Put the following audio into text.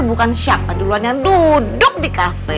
bukan siapa duluan yang duduk di kafe